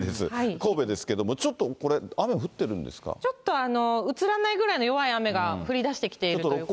神戸ですけど、ちょっとこれ、雨ちょっと、映らないぐらいの弱い雨が降りだしてきているということですね。